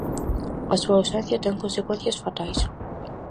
A súa ausencia ten consecuencias fatais.